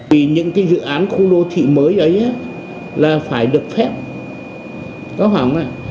vì những cái dự án khu đô thị mới ấy là phải được phép có khoảng này